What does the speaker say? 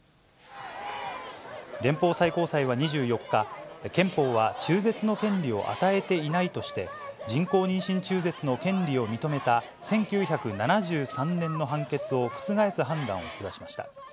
連邦最高裁は２４日、憲法は中絶の権利を与えていないとして、人工妊娠中絶の権利を認めた、１９７３年の判決を覆す判断を下しました。